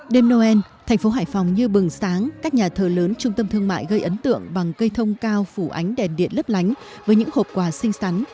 đêm noel thành phố hải phòng như bừng sáng các nhà thờ lớn trung tâm thương mại gây ấn tượng bằng cây thông cao phủ ánh đèn điện lấp lánh với những hộp quà xinh xắn